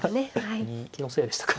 気のせいでしたか。